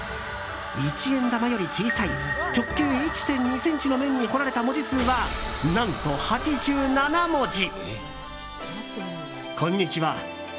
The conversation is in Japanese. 一円玉より小さい直径１．２ｃｍの面に彫られた文字数は、何と８７文字。